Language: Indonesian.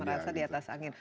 merasa di atas angin